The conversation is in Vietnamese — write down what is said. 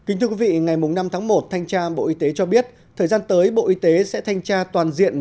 ngày năm tháng một thanh tra bộ y tế cho biết thời gian tới bộ y tế sẽ thanh tra toàn diện